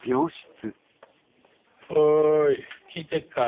おい聞いてっか？